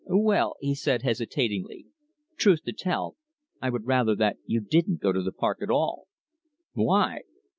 "Well," he said, hesitating, "truth to tell, I would rather that you didn't go to the park at all." "Why?"